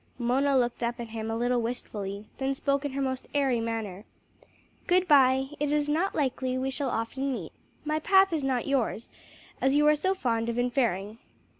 Mona looked up at him a little wistfully, then spoke in her most airy manner "Good bye, it is not likely we shall often meet; my path is not yours, as you are so fond of inferring."